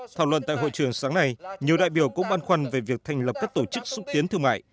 thảo luận tại hội trường sáng nay nhiều đại biểu cũng băn khoăn về việc thành lập các tổ chức xúc tiến thương mại